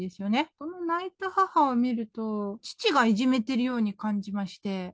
その泣いた母を見ると、父がいじめてるように感じまして。